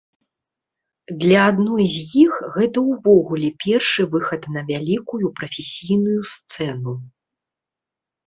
Для адной з іх гэта ўвогуле першы выхад на вялікую прафесійную сцэну.